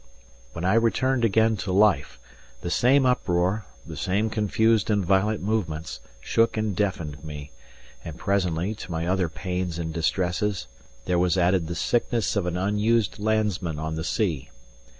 When I returned again to life, the same uproar, the same confused and violent movements, shook and deafened me; and presently, to my other pains and distresses, there was added the sickness of an unused landsman on the sea.